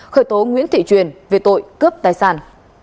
khởi tố nguyễn thị truyền về tội cướp tài sản